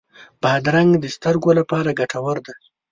بادرنګ د سترګو لپاره ګټور دی.